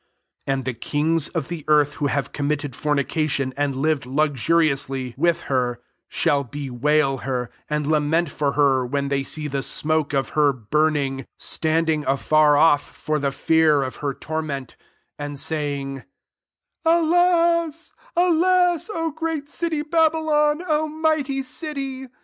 9 And the kings of the earth who have committed fornica tion and lived luxuriously with REVELATION XVIIL 411 heft, shall bewail her» and la ment for her, when they see the smoke of her burning; 10 standing afar ofiF for the fear of her torment, and saying, < Alas, alas, O great city Babylon, O mighty city